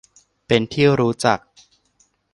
เป็นที่รู้จัก